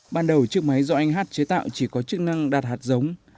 ban đầu chiếc máy do anh hát chế tạo chỉ có chức năng đạt hạt giống